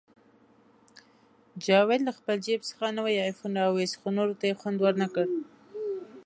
جاوید له خپل جیب څخه نوی آیفون راوویست، خو نورو ته یې خوند ورنکړ